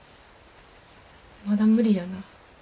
まだ無理やな。